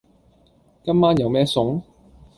今晚有咩餸？